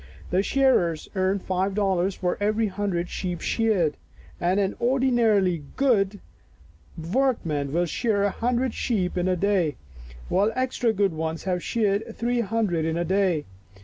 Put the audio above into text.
The shearers earn five dollars for every hun dred sheep sheared, and an ordinarily good 70 Our Little Australian Cousin workman will shear a hundred sheep in a day, while extra good ones have sheared three hun dred in a day.